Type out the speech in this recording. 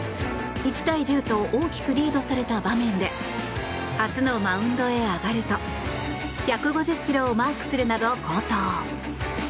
１対１０と大きくリードされた場面で初のマウンドへ上がると１５０ｋｍをマークするなど好投。